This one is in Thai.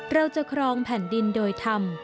เราจะครองแผ่นดินโดยธรรม